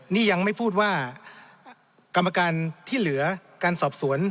นี่ยังไม่พูดว่ากรรมการที่เหลือการสอบสวน